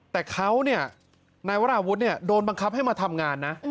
แต่เขาเนี่ยนายวราวุฒิเนี่ยโดนบังคับให้มาทำงานนะ